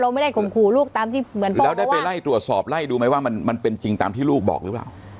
ไม่ได้ข่มขู่ลูกตามที่เหมือนพูดแล้วได้ไปไล่ตรวจสอบไล่ดูไหมว่ามันมันเป็นจริงตามที่ลูกบอกหรือเปล่า